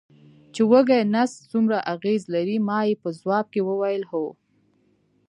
چې وږی نس څومره اغېز لري، ما یې په ځواب کې وویل: هو.